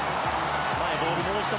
前ボール戻した。